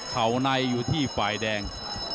เข่าในอยู่ที่ฝ่ายแดง